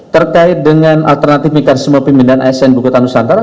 terkait dengan alternatif mekanisme pemindahan asn buku kota nusantara